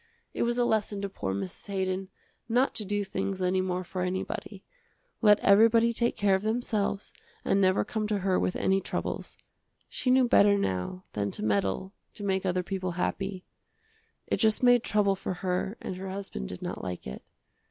It was a lesson to poor Mrs. Haydon not to do things any more for anybody. Let everybody take care of themselves and never come to her with any troubles; she knew better now than to meddle to make other people happy. It just made trouble for her and her husband did not like it.